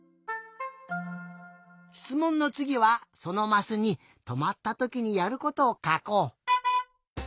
しつもんのつぎはそのマスにとまったときにやることをかこう。